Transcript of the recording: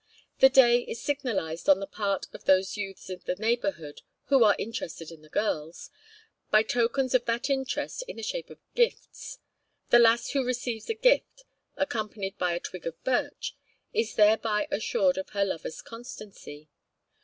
The day is signalized on the part of those youths of the neighbourhood who are interested in the girls, by tokens of that interest in the shape of gifts. The lass who receives a gift accompanied by a twig of birch is thereby assured of her lover's constancy.